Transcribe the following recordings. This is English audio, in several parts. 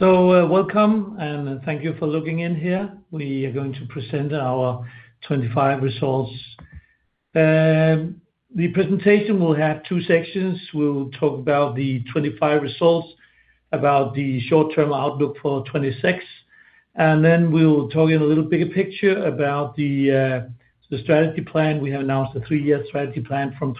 Welcome, and thank you for logging in here. We are going to present our 2025 results. The presentation will have two sections. We'll talk about the 2025 results, about the short-term outlook for 2026, and then we'll talk in a little bigger picture about the strategy plan. We have announced a three-year strategy plan from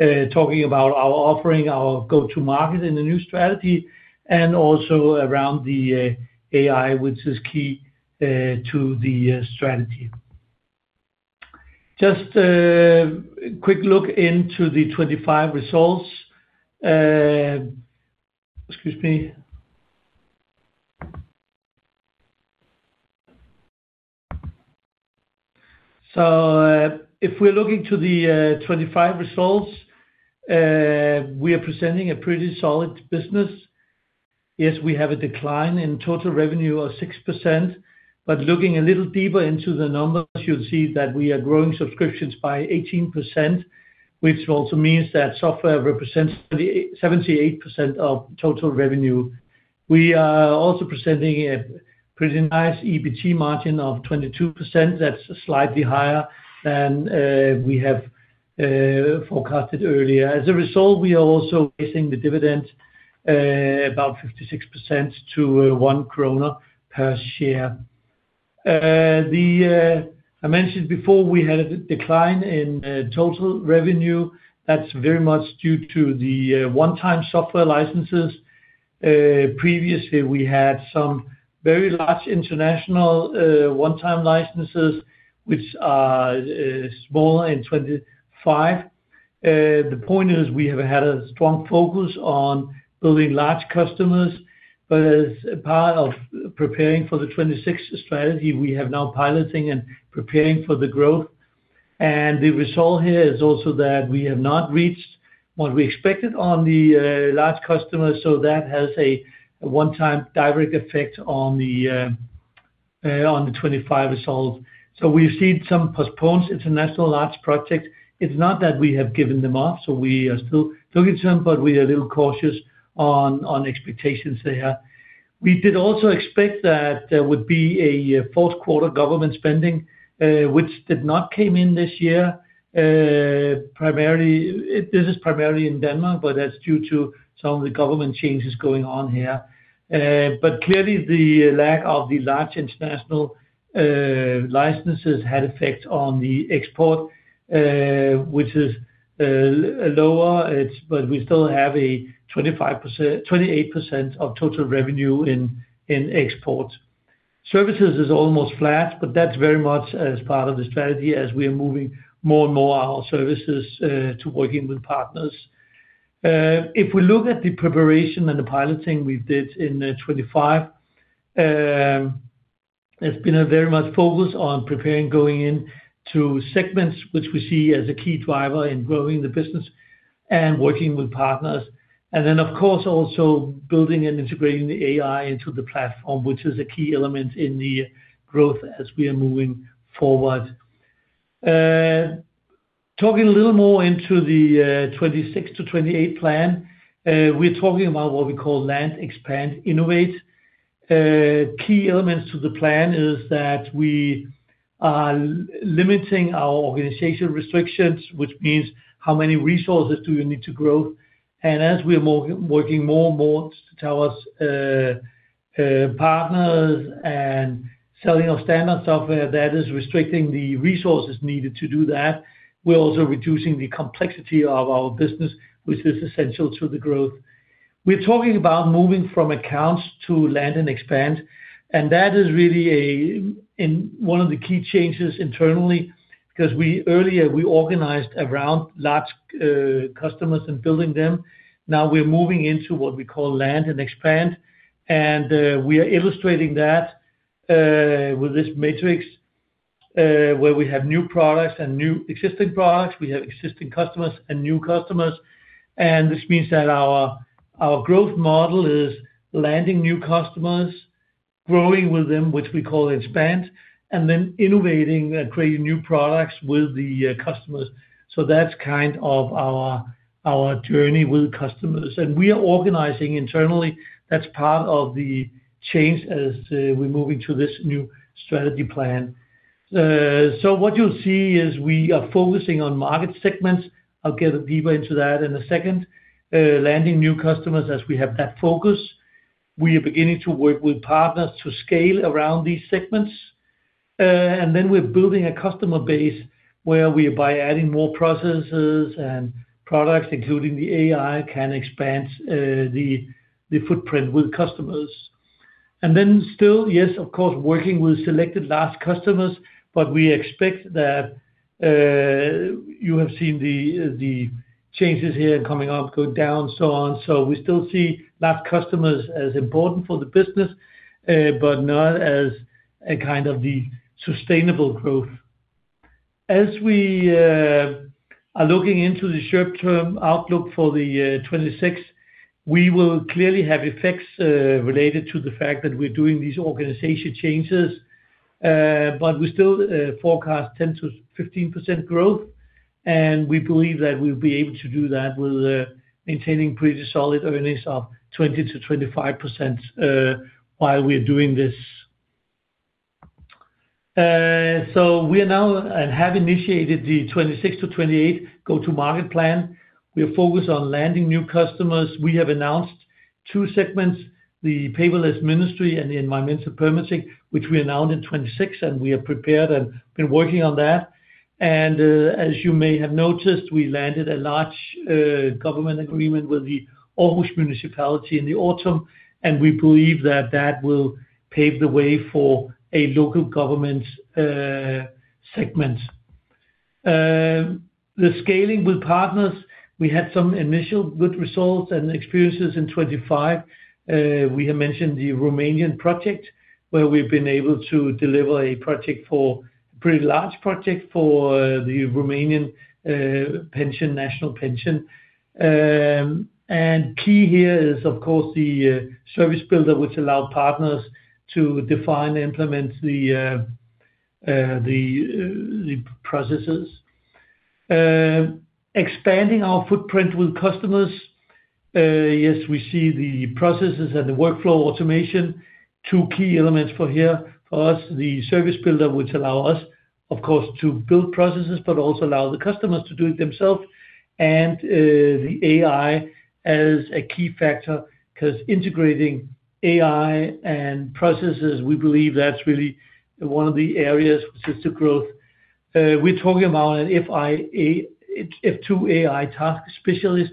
2026-2028, talking about our offering, our go-to market in the new strategy, and also around the AI, which is key to the strategy. Just a quick look into the 2025 results. Excuse me. If we're looking to the 2025 results, we are presenting a pretty solid business. Yes, we have a decline in total revenue of 6%, but looking a little deeper into the numbers, you'll see that we are growing subscriptions by 18%, which also means that software represents 78% of total revenue. We are also presenting a pretty nice EBT margin of 22%. That's slightly higher than we have forecasted earlier. As a result, we are also raising the dividend about 56% to 1 kroner per share. I mentioned before we had a decline in total revenue. That's very much due to the one-time software licenses. Previously, we had some very large international one-time licenses, which are smaller in 2025. The point is, we have had a strong focus on building large customers, but as a part of preparing for the 2026 strategy, we are now piloting and preparing for the growth. The result here is also that we have not reached what we expected on the large customers, so that has a one-time direct effect on the 2025 results. We've seen some postponed international large projects. It's not that we have given them up, so we are still looking to them, but we are a little cautious on expectations there. We did also expect that there would be a fourth quarter government spending, which did not come in this year. This is primarily in Denmark, but that's due to some of the government changes going on here. Clearly the lack of the large international licenses had effect on the export, which is lower, but we still have 28% of total revenue in exports. Services is almost flat, but that's very much as part of the strategy as we are moving more and more our services to working with partners. If we look at the preparation and the piloting we did in 2025, it's been very much focused on preparing going into segments, which we see as a key driver in growing the business and working with partners, and then, of course, also building and integrating the AI into the platform, which is a key element in the growth as we are moving forward. Talking a little more into the 2026-2028 plan, we're talking about what we call Land, Expand, Innovate. Key elements to the plan is that we are limiting our organization restrictions, which means how many resources do we need to grow. As we are working more and more towards partners and selling of standard software, that is restricting the resources needed to do that. We're also reducing the complexity of our business, which is essential to the growth. We're talking about moving from accounts to Land and Expand. That is really one of the key changes internally, because earlier we organized around large customers and building them. Now we're moving into what we call Land and Expand, and we are illustrating that with this matrix, where we have new products and new existing products. We have existing customers and new customers, and this means that our growth model is landing new customers, growing with them, which we call Expand, and then innovating and creating new products with the customers. That's kind of our journey with customers. We are organizing internally. That's part of the change as we're moving to this new strategy plan. What you'll see is we are focusing on market segments. I'll get deeper into that in a second. Landing new customers as we have that focus. We are beginning to work with partners to scale around these segments. We're building a customer base where we, by adding more processes and products, including the AI, can expand the footprint with customers. Still, yes, of course, working with selected large customers, but we expect that you have seen the changes here coming up, going down, so on. We still see large customers as important for the business, but not as a kind of the sustainable growth. As we are looking into the short-term outlook for the 2026, we will clearly have effects related to the fact that we're doing these organization changes. We still forecast 10%-15% growth, and we believe that we'll be able to do that with maintaining pretty solid earnings of 20%-25% while we're doing this. We are now, and have initiated the 2026-2028 go-to-market plan. We are focused on landing new customers. We have announced two segments, the Paperless Ministry and the environmental permitting, which we announced in 2026, and we are prepared and been working on that. As you may have noticed, we landed a large government agreement with the Aarhus Municipality in the autumn, and we believe that that will pave the way for a local government segment. The scaling with partners, we had some initial good results and experiences in 2025. We have mentioned the Romanian project, where we've been able to deliver a pretty large project for the Romanian National Pension. Key here is, of course, the F2 Service Builder, which allow partners to define and implement the processes. Expanding our footprint with customers. Yes, we see the processes and the workflow automation, two key elements for here. For us, the Service Builder, which allow us, of course, to build processes, but also allow the customers to do it themselves. The AI as a key factor, because integrating AI and processes, we believe that's really one of the areas for future growth. We're talking about an F2 AI Task Specialist.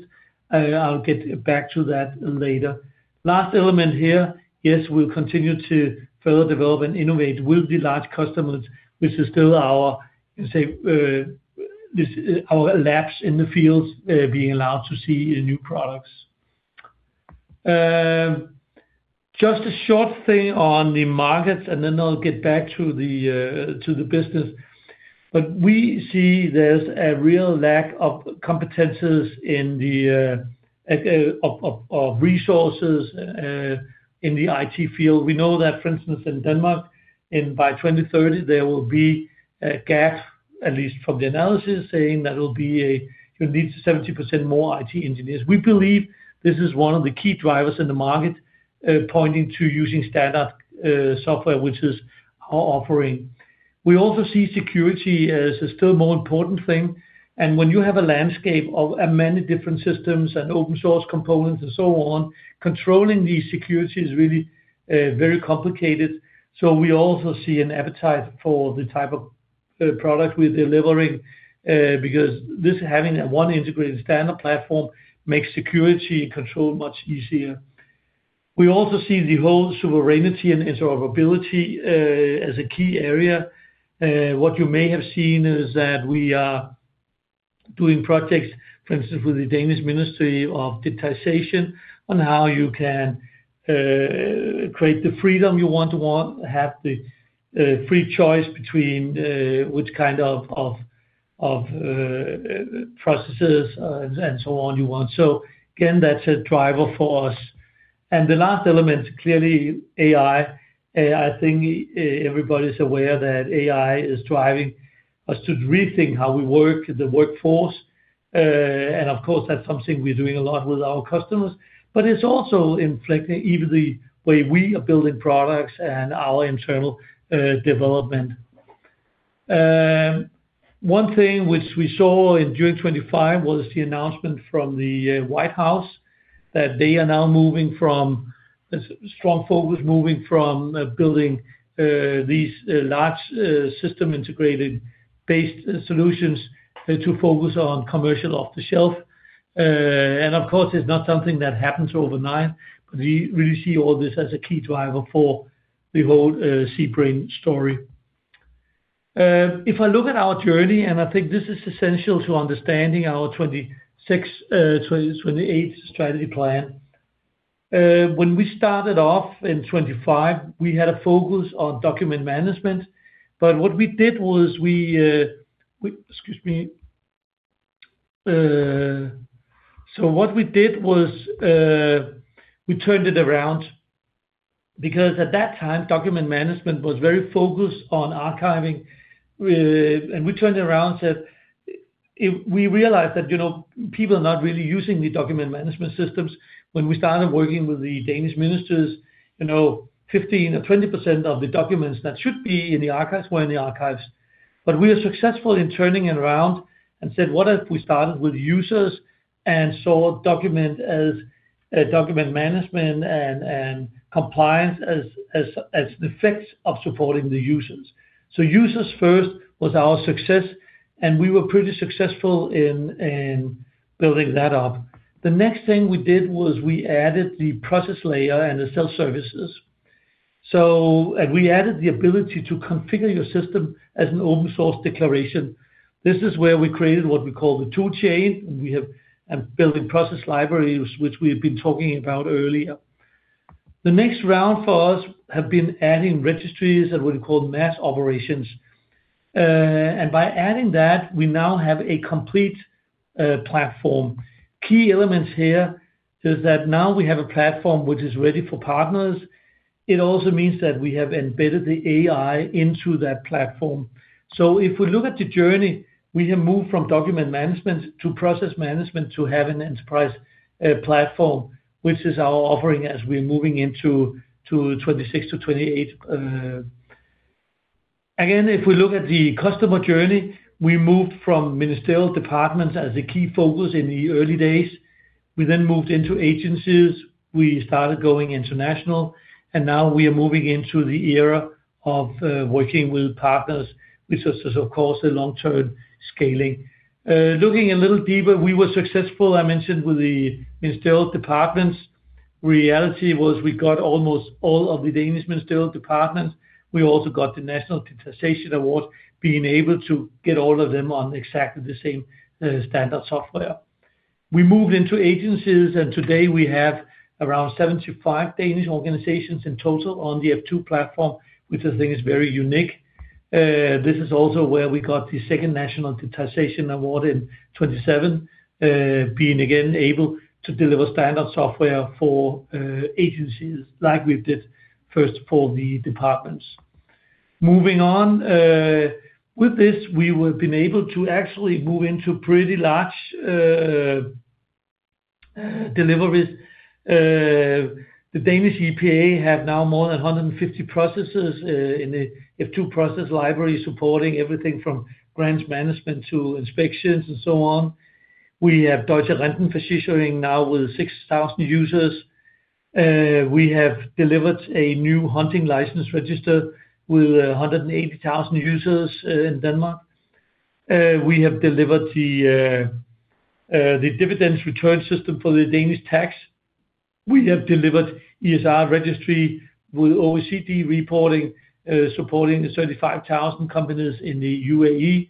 I'll get back to that later. Last element here, yes, we'll continue to further develop and innovate with the large customers, which is still our labs in the fields, being allowed to see new products. Just a short thing on the markets, and then I'll get back to the business. We see there's a real lack of resources in the IT field. We know that, for instance, in Denmark, by 2030, there will be a gap, at least from the analysis, saying that you'll need 70% more IT engineers. We believe this is one of the key drivers in the market, pointing to using standard software, which is our offering. We also see security as a still more important thing. When you have a landscape of many different systems and open source components and so on, controlling the security is really very complicated. We also see an appetite for the type of product we're delivering, because this having a one integrated standard platform makes security and control much easier. We also see the whole sovereignty and interoperability as a key area. What you may have seen is that we are doing projects, for instance, with the Ministry of Digitalization, on how you can create the freedom you want to have the free choice between which kind of processes and so on you want. Again, that's a driver for us. The last element, clearly AI. I think everybody's aware that AI is driving us to rethink how we work, the workforce. Of course, that's something we're doing a lot with our customers. It's also influencing even the way we are building products and our internal development. One thing which we saw in June 2025 was the announcement from the White House that they are now moving from building these large system integrator-based solutions to focus on commercial off-the-shelf. And of course, it's not something that happens overnight, but we really see all this as a key driver for the whole cBrain story. If I look at our journey, and I think this is essential to understanding our 2026-2028 strategy plan. When we started off in 2025, we had a focus on document management. But what we did was we-- Excuse me. So what we did was, we turned it around, because at that time, document management was very focused on archiving. And we turned it around and said, "We realize that people are not really using the document management systems." When we started working with the Danish ministers, 15% or 20% of the documents that should be in the archives were in the archives. We were successful in turning it around and said, "What if we started with users and saw document management and compliance as the effects of supporting the users?" Users first was our success, and we were pretty successful in building that up. The next thing we did was we added the process layer and the self-services. We added the ability to configure your system as an open source declaration. This is where we created what we call the toolchain, and building process libraries, which we've been talking about earlier. The next round for us have been adding registries and what we call mass operations. By adding that, we now have a complete platform. Key elements here is that now we have a platform which is ready for partners. It also means that we have embedded the AI into that platform. If we look at the journey, we have moved from document management to process management to have an enterprise platform, which is our offering as we're moving into 2026-2028. Again, if we look at the customer journey, we moved from ministerial departments as the key focus in the early days. We then moved into agencies. We started going international, and now we are moving into the era of working with partners, which is, of course, a long-term scaling. Looking a little deeper, we were successful, I mentioned with the ministerial departments. Reality was we got almost all of the Danish ministerial departments. We also got the National Digitization Award, being able to get all of them on exactly the same standard software. We moved into agencies, and today we have around 75 Danish organizations in total on the F2 platform, which I think is very unique. This is also where we got the second National Digitization Award in 2027, being again able to deliver standard software for agencies like we did first for the departments. Moving on. With this, we will have been able to actually move into pretty large deliveries. The Danish EPA have now more than 150 processes in the F2 process library, supporting everything from grants management to inspections and so on. We have Deutsche Rentenversicherung now with 6,000 users. We have delivered a new hunting license register with 180,000 users in Denmark. We have delivered the dividends return system for the Danish tax. We have delivered ESR registry with OECD reporting, supporting the 35,000 companies in the UAE.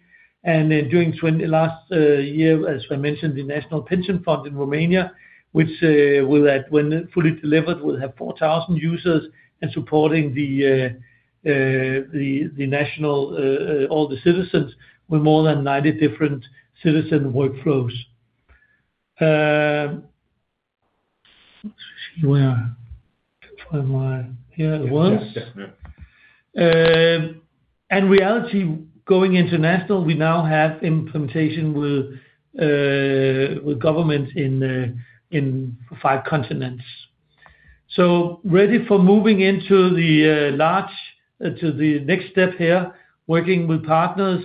During last year, as I mentioned, the National Pension Fund in Romania, which when fully delivered, will have 4,000 users and supporting all the citizens with more than 90 different citizen workflows. Let's see where I am. Here it was. Reality, going international, we now have implementation with government in five continents. Ready for moving into the next step here, working with partners.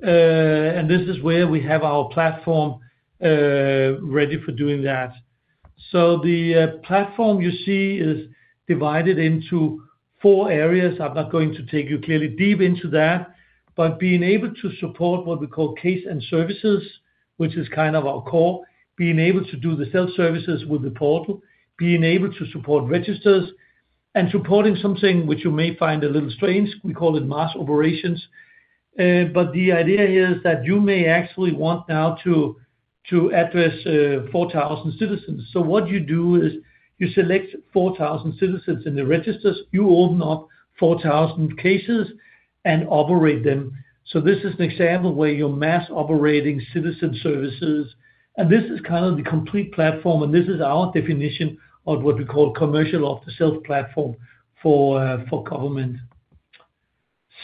This is where we have our platform ready for doing that. The platform you see is divided into four areas. I'm not going to take you clearly deep into that, but being able to support what we call case and services, which is kind of our core, being able to do the self-services with the portal, being able to support registers and supporting something which you may find a little strange, we call it mass operations. The idea here is that you may actually want now to address 4,000 citizens. What you do is you select 4,000 citizens in the registers. You open up 4,000 cases and operate them. This is an example where you're mass operating citizen services, and this is kind of the complete platform, and this is our definition of what we call commercial off-the-shelf platform for government.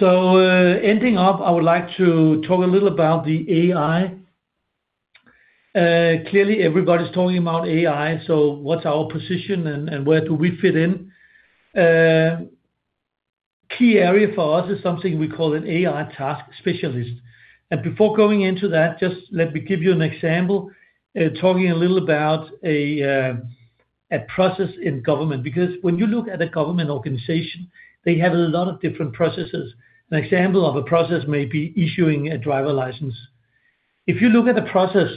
Ending up, I would like to talk a little about the AI. Clearly, everybody's talking about AI, so what's our position and where do we fit in? Key area for us is something we call an AI Task Specialist. Before going into that, just let me give you an example, talking a little about a process in government, because when you look at a government organization, they have a lot of different processes. An example of a process may be issuing a driver license. If you look at the process,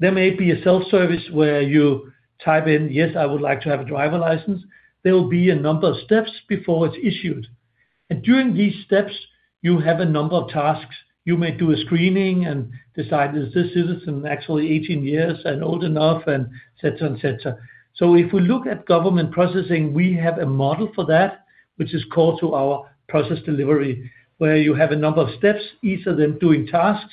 there may be a self-service where you type in, "Yes, I would like to have a driver license." There will be a number of steps before it's issued. During these steps, you have a number of tasks. You may do a screening and decide, is this citizen actually 18 years and old enough, et cetera? If we look at government processing, we have a model for that, which is core to our process delivery, where you have a number of steps, each of them doing tasks.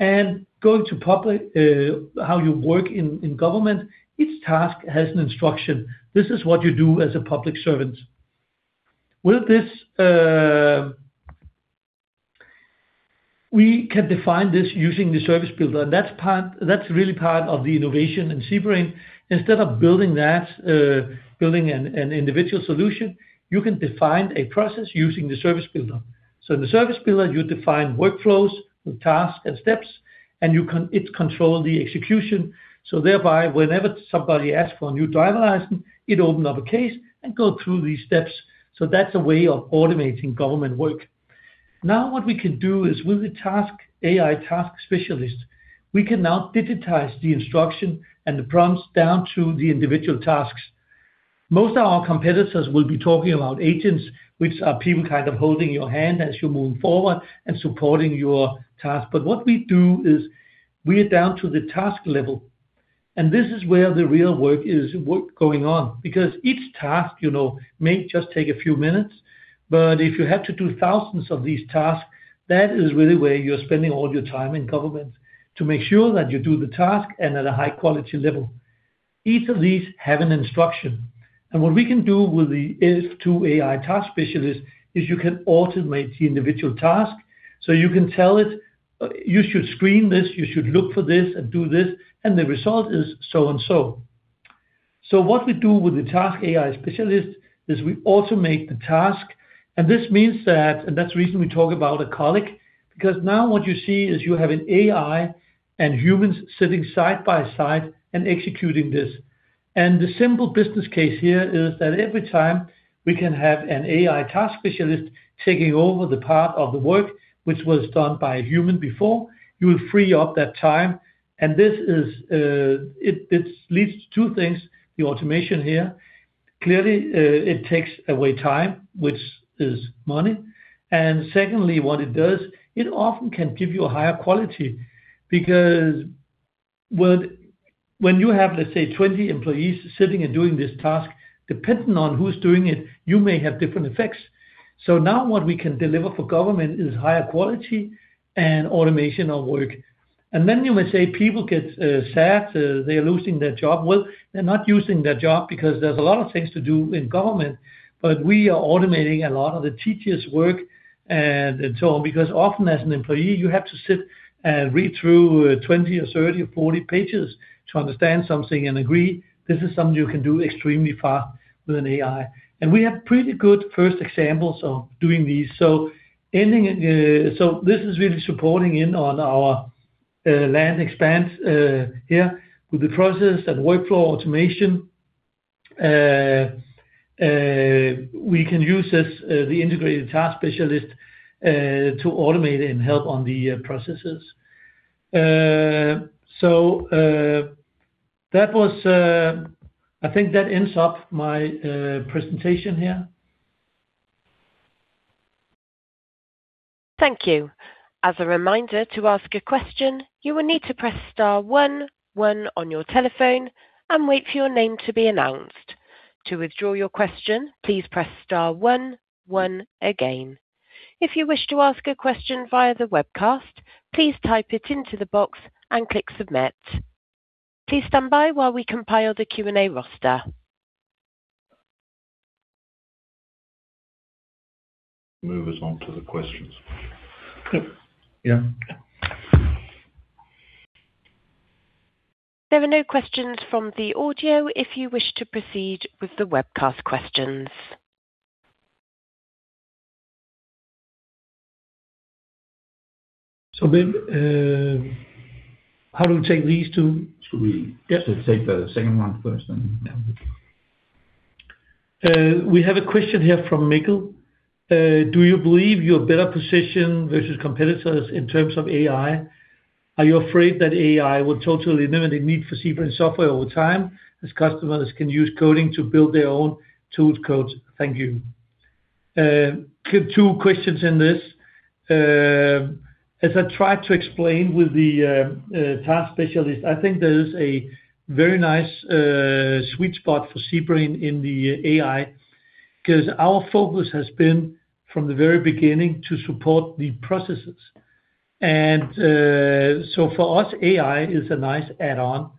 Going to how you work in government, each task has an instruction. This is what you do as a public servant. With this, we can define this using the Service Builder. That's really part of the innovation in cBrain. Instead of building an individual solution, you can define a process using the Service Builder. In the Service Builder, you define workflows with tasks and steps, and it control the execution. Thereby, whenever somebody asks for a new driver license, it open up a case and go through these steps. That's a way of automating government work. Now what we can do is with the AI Task Specialist, we can now digitize the instruction and the prompts down to the individual tasks. Most of our competitors will be talking about agents, which are people kind of holding your hand as you're moving forward and supporting your task. What we do is we are down to the task level. This is where the real work is going on, because each task may just take a few minutes, but if you had to do thousands of these tasks, that is really where you're spending all your time in government, to make sure that you do the task and at a high quality level. Each of these have an instruction, and what we can do with the F2 AI Task Specialist is you can automate the individual task. You can tell it, "You should screen this, you should look for this and do this, and the result is so and so." What we do with the AI Task Specialist is we automate the task. This means that, and that's the reason we talk about a colleague, because now what you see is you have an AI and humans sitting side by side and executing this. The simple business case here is that every time we can have an AI Task Specialist taking over the part of the work which was done by a human before, you will free up that time. This leads to two things, the automation here, clearly, it takes away time, which is money. Secondly, what it does, it often can give you a higher quality. Because when you have, let's say, 20 employees sitting and doing this task, depending on who's doing it, you may have different effects. Now what we can deliver for government is higher quality and automation of work. You may say people get sad, they're losing their job. Well, they're not losing their job because there's a lot of things to do in government. We are automating a lot of the tedious work and so on, because often as an employee, you have to sit and read through 20 or 30 or 40 pages to understand something and agree. This is something you can do extremely fast with an AI. We have pretty good first examples of doing these. This is really supporting in on our Land and Expand here with the process and workflow automation. We can use the integrated Task Specialist to automate and help on the processes. I think that ends up my presentation here. Thank you. As a reminder, to ask a question, you will need to press star one one on your telephone and wait for your name to be announced. To withdraw your question, please press star one one again. If you wish to ask a question via the webcast, please type it into the box and click submit. Please stand by while we compile the Q&A roster. Move us on to the questions. Good. Yeah. There are no questions from the audio, if you wish to proceed with the webcast questions. How do we take these two? Should we take the second one first, then? Yeah. We have a question here from Mikkel. Do you believe you are better positioned versus competitors in terms of AI? Are you afraid that AI will totally limit the need for cBrain software over time, as customers can use coding to build their own codes? Thank you. Two questions in this. As I tried to explain with the Task Specialist, I think there is a very nice sweet spot for cBrain in the AI, because our focus has been from the very beginning to support the processes. For us, AI is a nice add-on.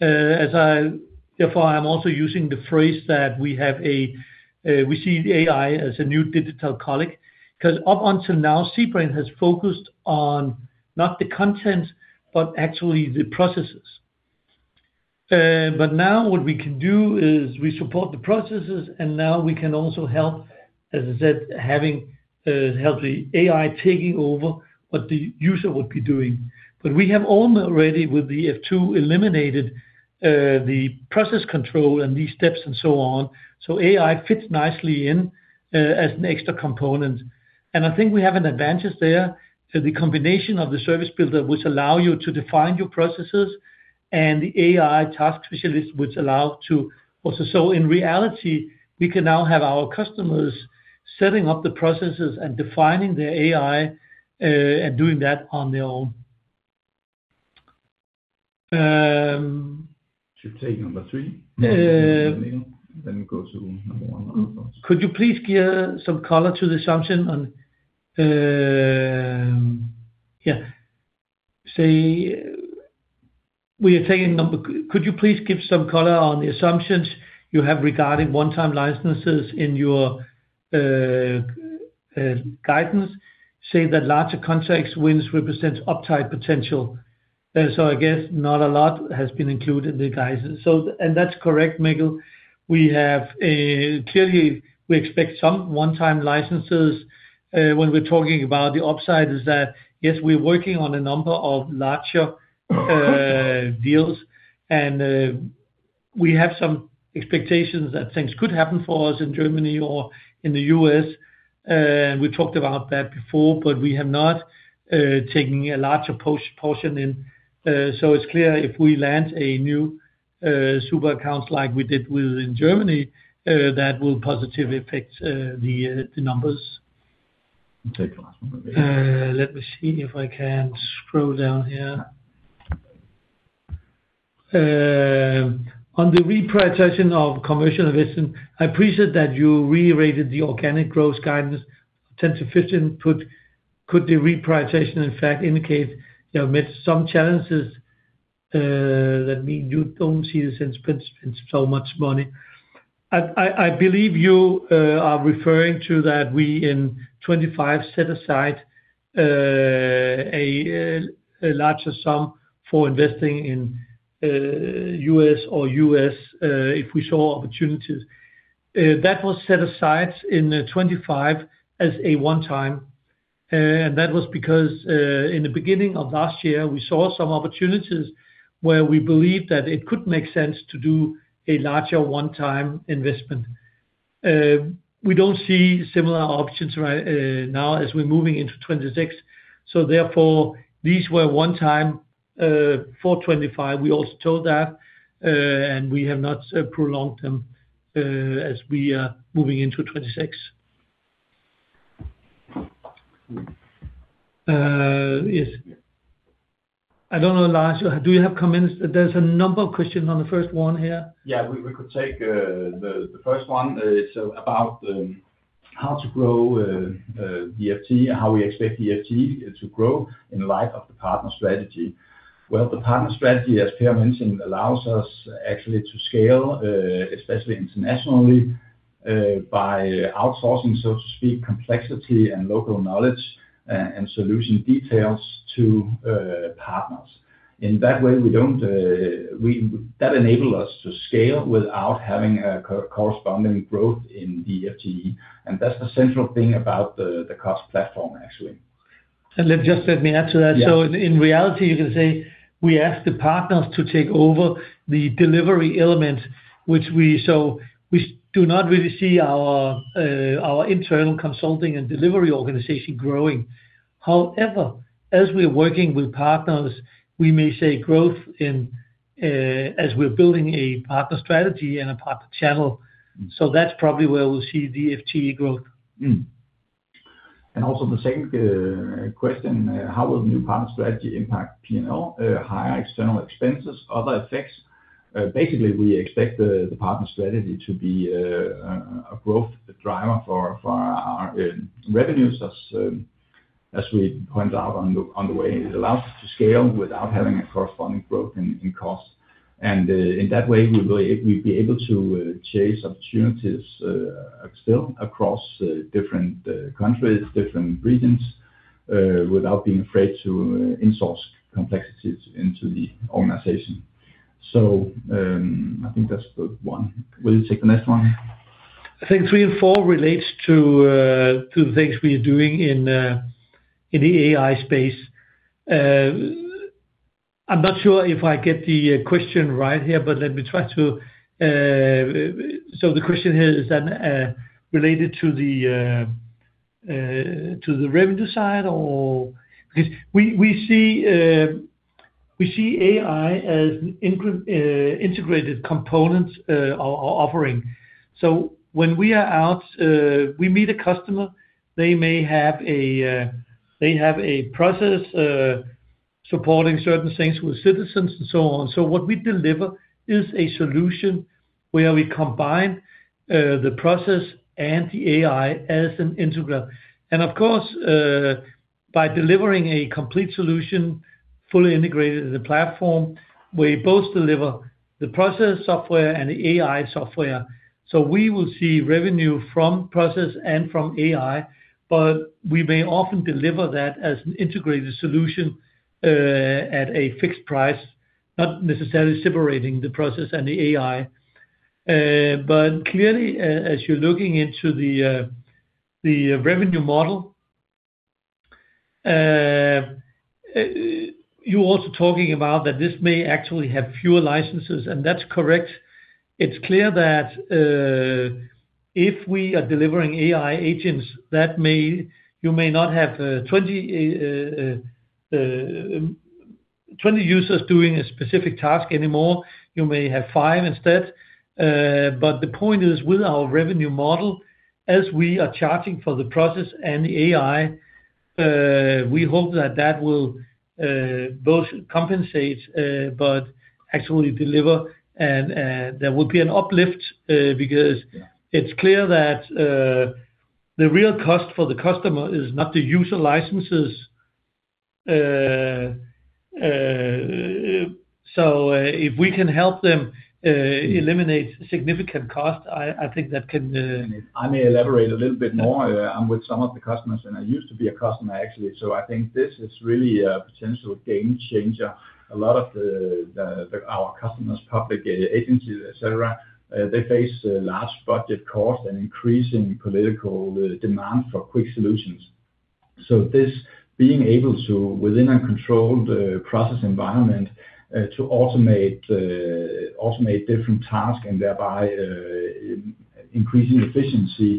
Therefore, I'm also using the phrase that we see AI as a new digital colleague, because up until now, cBrain has focused on not the content, but actually the processes. Now what we can do is we support the processes, and now we can also help, as I said, have the AI taking over what the user would be doing. We have already with the F2 eliminated the process control and these steps and so on, so AI fits nicely in as an extra component. I think we have an advantage there. The combination of the Service Builder, which allow you to define your processes, and the AI Task Specialist, which allow to also, in reality, we can now have our customers setting up the processes and defining their AI, and doing that on their own. Should we take number three? We go to number one. Could you please give some color on the assumptions you have regarding one-time licenses in your guidance? You say that larger contract wins represent upside potential. I guess not a lot has been included in the guidance. That's correct, Mikkel. Clearly, we expect some one-time licenses. When we're talking about the upside is that, yes, we're working on a number of larger deals, and we have some expectations that things could happen for us in Germany or in the U.S. We talked about that before, but we have not taken a larger portion in. It's clear if we land a new super account like we did in Germany, that will positively affect the numbers. Let me see if I can scroll down here. On the reprioritization of commercial investment, I appreciate that you reiterated the organic growth guidance 10%-15%. Could the reprioritization in fact indicate you have met some challenges that mean you don't see the sense to spend so much money? I believe you are referring to that we in 2025 set aside a larger sum for investing in U.S. if we saw opportunities. That was set aside in 2025 as a one-time, and that was because in the beginning of last year, we saw some opportunities where we believed that it could make sense to do a larger one-time investment. We don't see similar options right now as we're moving into 2026. Therefore, these were one-time for 2025. We also told that, and we have not prolonged them as we are moving into 2026. I don't know, Lars, do you have comments? There's a number of questions on the first one here. Yeah, we could take the first one. It's about how to grow the FTE and how we expect the FTE to grow in light of the partner strategy. Well, the partner strategy, as Per mentioned, allows us actually to scale, especially internationally, by outsourcing, so to speak, complexity and local knowledge and solution details to partners. In that way, that enable us to scale without having a corresponding growth in the FTE. That's the central thing about the CaaS platform, actually. Just let me add to that. Yeah. In reality, you can say we ask the partners to take over the delivery element, so we do not really see our internal consulting and delivery organization growing. However, as we're working with partners, we may see growth as we're building a partner strategy and a partner channel. That's probably where we'll see the FTE growth. The second question, how will the new partner strategy impact P&L? Higher external expenses, other effects? Basically, we expect the partner strategy to be a growth driver for our revenues, as we pointed out on the way. It allows us to scale without having a corresponding growth in cost. In that way, we'll be able to chase opportunities still across different countries, different regions, without being afraid to insource complexities into the organization. I think that's the one. Will you take the next one? I think three and four relates to things we are doing in the AI space. I'm not sure if I get the question right here. The question here is then related to the revenue side because we see AI as integrated components offering. When we are out, we meet a customer. They have a process supporting certain things with citizens and so on. What we deliver is a solution where we combine the process and the AI as an integral. Of course, by delivering a complete solution, fully integrated as a platform, we both deliver the process software and the AI software. We will see revenue from process and from AI, but we may often deliver that as an integrated solution at a fixed price, not necessarily separating the process and the AI. Clearly, as you're looking into the revenue model, you're also talking about that this may actually have fewer licenses, and that's correct. It's clear that if we are delivering AI agents, you may not have 20 users doing a specific task anymore. You may have five instead. The point is, with our revenue model, as we are charging for the process and the AI, we hope that that will both compensate but actually deliver and there will be an uplift. Because it's clear that the real cost for the customer is not the user licenses. I may elaborate a little bit more. Yeah. I'm with some of the customers, and I used to be a customer actually. I think this is really a potential game changer. A lot of our customers, public agencies, et cetera, they face large budget costs and increasing political demand for quick solutions. This being able to, within a controlled process environment, to automate different tasks and thereby increasing efficiency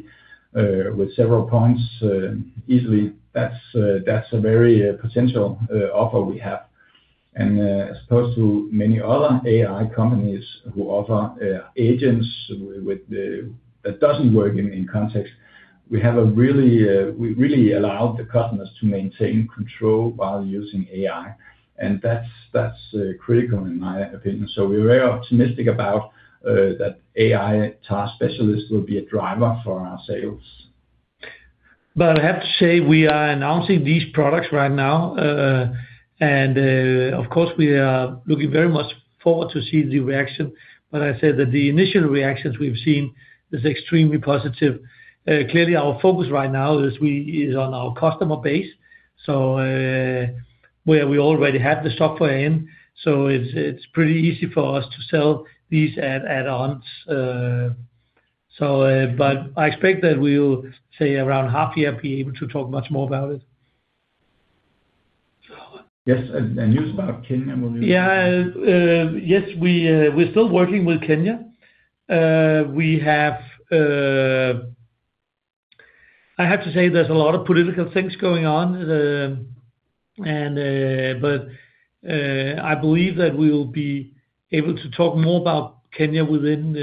with several points easily. That's a very potential offer we have. As opposed to many other AI companies who offer agents that doesn't work in context, we really allow the customers to maintain control while using AI, and that's critical in my opinion. We're very optimistic about that AI Task Specialist will be a driver for our sales. I have to say, we are announcing these products right now. Of course, we are looking very much forward to see the reaction. I say that the initial reactions we've seen is extremely positive. Clearly, our focus right now is on our customer base, so where we already have the software in. It's pretty easy for us to sell these add-ons. I expect that we'll, say, around half year, be able to talk much more about it. Yes, and news about Kenya. Yeah. Yes, we're still working with Kenya. I have to say, there's a lot of political things going on. I believe that we will be able to talk more about Kenya within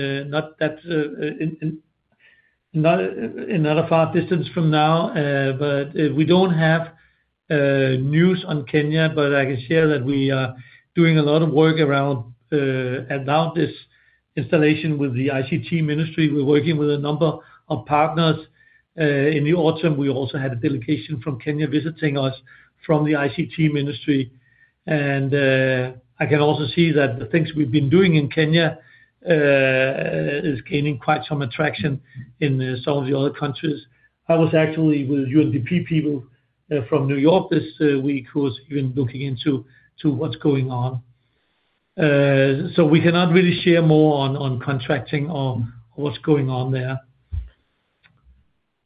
another far distance from now. We don't have news on Kenya, but I can share that we are doing a lot of work around this installation with the ICT ministry. We're working with a number of partners. In the autumn, we also had a delegation from Kenya visiting us from the ICT ministry. I can also see that the things we've been doing in Kenya is gaining quite some traction in some of the other countries. I was actually with UNDP people from New York this week who's been looking into what's going on. We cannot really share more on contracting, on what's going on there.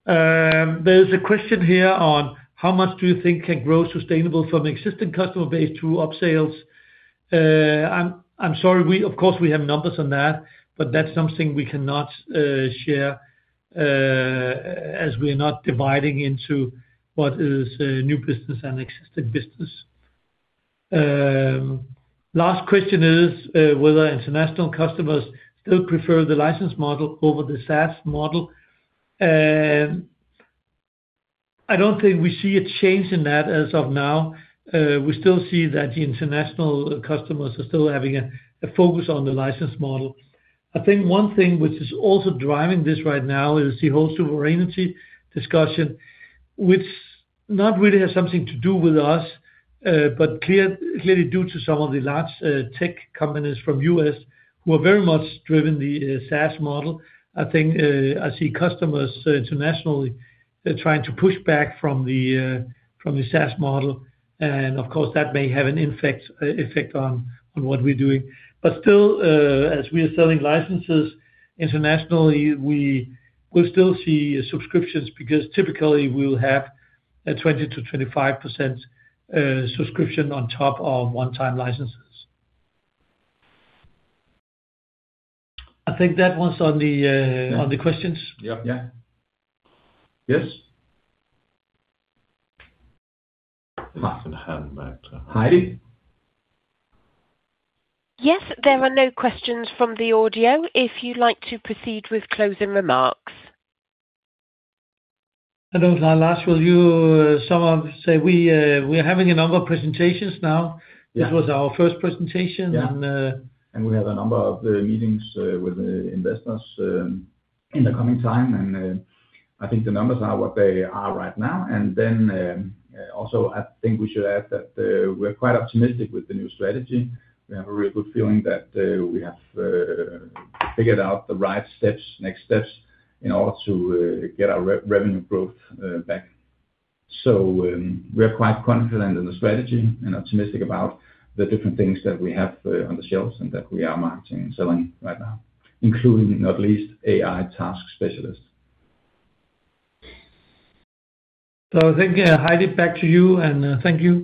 There's a question here on how much do you think can grow sustainable from existing customer base through upsells? I'm sorry, of course, we have numbers on that, but that's something we cannot share, as we're not dividing into what is new business and existing business. Last question is whether international customers still prefer the license model over the SaaS model. I don't think we see a change in that as of now. We still see that the international customers are still having a focus on the license model. I think one thing which is also driving this right now is the whole sovereignty discussion, which not really has something to do with us, but clearly due to some of the large tech companies from U.S. who are very much driven the SaaS model. I think I see customers internationally trying to push back from the SaaS model, and of course, that may have an effect on what we're doing. Still, as we are selling licenses internationally, we'll still see subscriptions, because typically we'll have a 20%-25% subscription on top of one-time licenses. I think that was on the questions. Yeah. Yes. I can hand back to Heidi. Yes, there are no questions from the audio if you'd like to proceed with closing remarks. I don't know, Lars, will you sum up? Say we're having a number of presentations now. Yeah. This was our first presentation. Yeah. We have a number of meetings with investors in the coming time, and I think the numbers are what they are right now. Also, I think we should add that we're quite optimistic with the new strategy. We have a real good feeling that we have figured out the right next steps in order to get our revenue growth back. We are quite confident in the strategy and optimistic about the different things that we have on the shelves and that we are marketing and selling right now, including not least AI Task Specialists. I think, Heidi, back to you. Thank you.